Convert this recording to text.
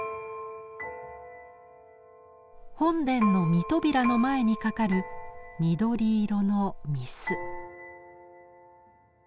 本殿の御扉の前に掛かる緑色の御簾。